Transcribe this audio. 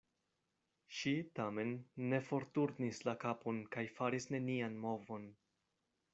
Ŝi tamen ne forturnis la kapon kaj faris nenian movon.